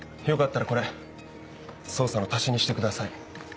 よかったらこれ捜査の足しにしてください。